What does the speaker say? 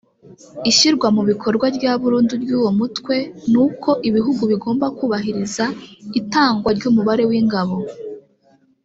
Ishyirwa mu bikorwa rya burundu ry’uwo mutwe ni uko ibihugu bigomba kubahiriza itangwa ry’umubare w’ingabo